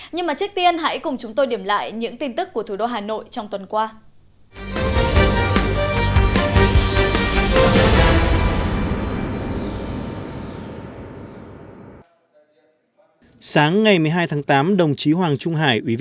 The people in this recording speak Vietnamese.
nhưng mà trước tiên hãy cùng chúng tôi điểm lại những tin tức của thủ đô hà nội trong tuần qua